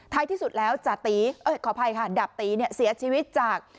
ท้ายที่สุดแล้วจาตีขออภัยค่ะดาบตีเสียชีวิตจาก